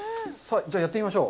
じゃあやってみましょう。